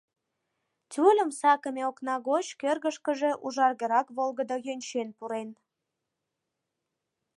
Тюльым сакыме окна гоч кӧргышкыжӧ ужаргырак волгыдо йончен пурен.